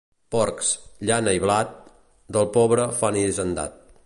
Porcs, llana i blat, del pobre fan hisendat.